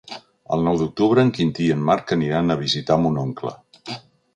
El nou d'octubre en Quintí i en Marc aniran a visitar mon oncle.